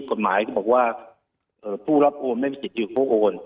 กฏหมายบอกว่าคู่รับโวมไม่มีที่อยู่ครอบโวม